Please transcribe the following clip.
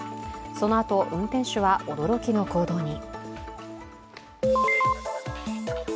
そのあと運転手は驚きの行動に。